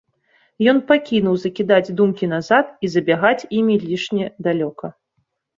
Ён пакінуў закідаць думкі назад і забягаць імі лішне далёка.